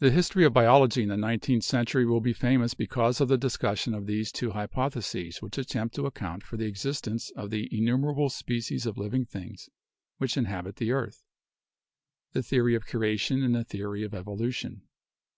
The history of biology in the nineteenth century will be famous because of the discussion of these two hypotheses which attempt to account for the existence of the innumer able species of living things which inhabit the earth : the theory of creation and the theory of evolution.